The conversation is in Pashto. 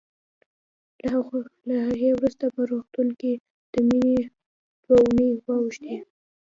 له هغې وروسته په روغتون کې د مينې دوه اوونۍ واوښتې